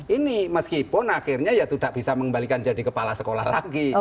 ini meskipun akhirnya ya tidak bisa mengembalikan jadi kepala sekolah lagi